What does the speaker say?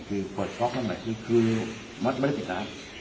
คือเปิดซ็อคทั้งหน่อยคือคือวัดจะไม่ได้ติดน้ำ